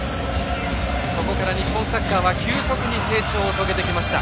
そこから日本サッカーは急速に成長を遂げてきました。